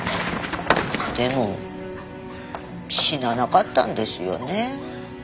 でも死ななかったんですよね。